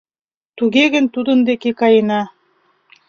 Туге гын тудын деке каена.